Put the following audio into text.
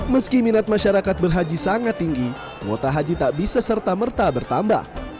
meski minat masyarakat berhaji sangat tinggi kuota haji tak bisa serta merta bertambah